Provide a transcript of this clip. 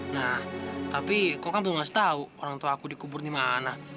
nah tapi kong kan belum kasih tau orang tua aku dikubur di mana